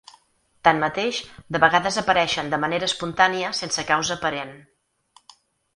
Tanmateix, de vegades apareixen de manera espontània sense causa aparent.